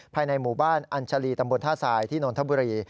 ภายในหมู่บ้านอัญชาลีตำบลท่าทรายที่นนทบุรี